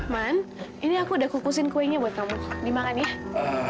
man ini aku udah kukusin kuenya buat kamu dimakan ya